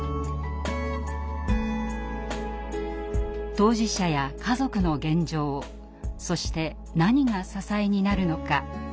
当事者や家族の現状そして何が支えになるのか。